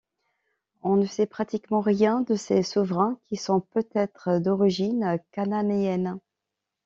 On ne sait pratiquement rien de ces souverains qui sont peut-être d'origine cananéenne.